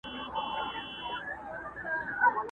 په جنګ وتلی د ټولي مځکي!!